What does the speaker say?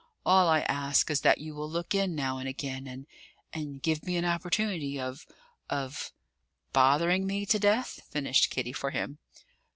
All I ask is that you will look in now and again, and and give me an opportunity of of " "Bothering me to death," finished Kitty for him.